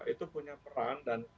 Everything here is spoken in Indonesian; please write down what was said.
itu punya peran dan